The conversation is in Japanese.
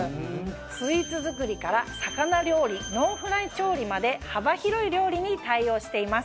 スイーツ作りから魚料理ノンフライ調理まで幅広い料理に対応しています。